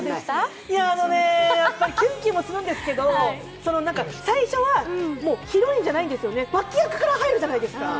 キュンキュンもするんですけど最初はヒロインじゃないんですよね、脇役から入るじゃないですか。